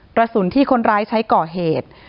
กระสุนที่คนร้ายใช้ก่อเหตุ